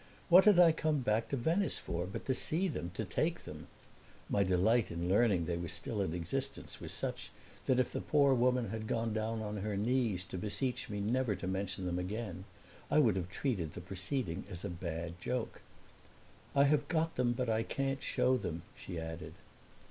What had I come back to Venice for but to see them, to take them? My delight in learning they were still in existence was such that if the poor woman had gone down on her knees to beseech me never to mention them again I would have treated the proceeding as a bad joke. "I have got them but I can't show them," she added.